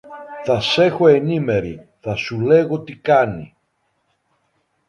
Θα σ' έχω ενήμερη, θα σου λέγω τι κάνει.